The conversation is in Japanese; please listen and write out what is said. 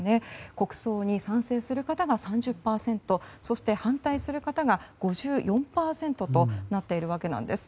国葬に賛成する方が３０％反対する方は５４％となっているわけです。